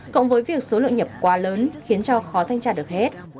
cộng với việc số lượng nhập quá lớn khiến cho khó thanh tra được hết